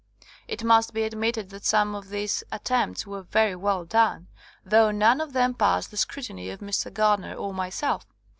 It must be admitted that some of these at tempts were very well done, though none of them passed the scrutiny of Mr. Gardner or myself.